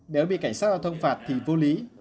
nếu bị cảnh sát giao thông phạt thì vô lý